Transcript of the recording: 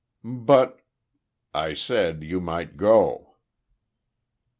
"But " "I said you might go."